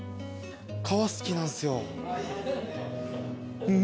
革好きなんすよ。